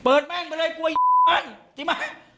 เปิดแม่งไปเลยกลัวไอ้จริงไหม